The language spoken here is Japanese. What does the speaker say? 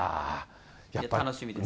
楽しみです。